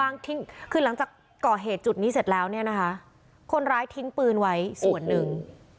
คือหลังจากก่อเหตุจุดนี้เสร็จแล้วเนี่ยนะคะคนร้ายทิ้งปืนไว้ส่วนหนึ่ง